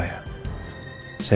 entah kenapa ya